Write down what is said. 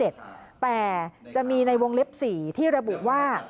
แต่จะมีในวงเล็บ๔ที่ระบุว่า